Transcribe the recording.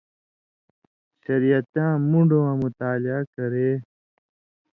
شریعتیاں مُون٘ڈہۡ واں مطالعہ کرے